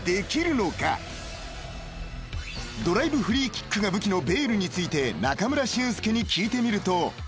［ドライブフリーキックが武器のベイルについて中村俊輔に聞いてみると］